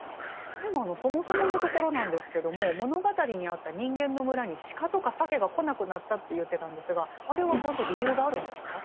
でもそもそものところなんですけども物語にあった人間の村にシカとかサケが来なくなったって言ってたんですがあれはちゃんと理由があるんですか？